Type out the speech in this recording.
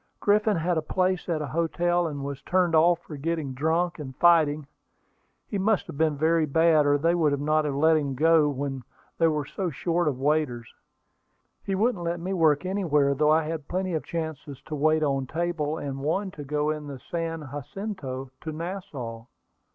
Griffin had a place at a hotel, and was turned off for getting drunk, and fighting. He must have been very bad, or they would not have let him go when they were so short of waiters. He wouldn't let me work anywhere, though I had plenty of chances to wait on table, and one to go in the San Jacinto to Nassau.